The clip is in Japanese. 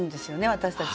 私たち